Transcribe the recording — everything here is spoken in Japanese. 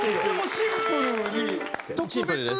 シンプルです。